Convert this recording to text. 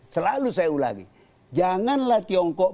selalu saya ulangi janganlah tiongkok